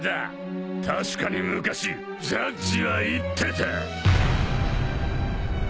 確かに昔ジャッジは言ってた。